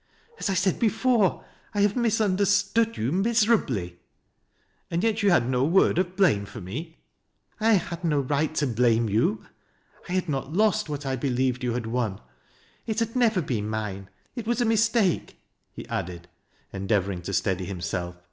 '' As 1 said before, T have misunderstood you miserably." " And yet you had no word of blame for me ?"" I had no right to blame you. I had not lost what 1 . believed you had won. It had never been mine. It was a mistake," lie added, endeavoring to steady himself.